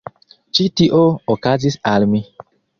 Ĉi tio okazis al mi.